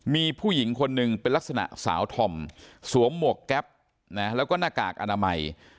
มีผู้หญิงคนหนึ่งเป็นลักษณะสาวธอมสวมหมวกแก๊ปแล้วก็หน้ากากอนามัย